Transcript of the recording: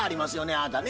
あなたね。